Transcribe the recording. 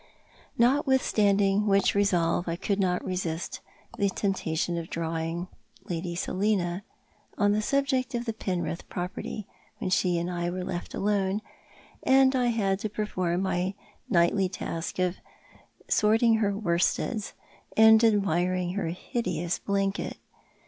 Notwithstaudiug whicli resolve I could not resist the tempta tion of drawiiig Lady Selina on the subject of the Penrith property when she and I were left alone, and I had to i^erform my nightly task of sorting her worsteds and admiring her hideous blanket.